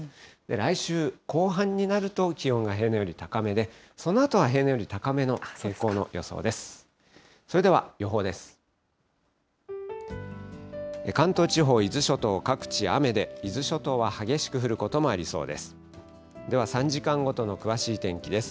来週後半になると、気温が平年より高めで、そのあとは平年より高めの傾向の予想です。